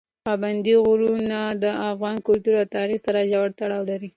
پابندي غرونه د افغان کلتور او تاریخ سره ژور تړاو لري.